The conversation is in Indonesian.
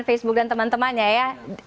facebook dan teman temannya ya